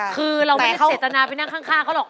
คือเราไม่ได้เจตนาไปนั่งข้างเขาหรอก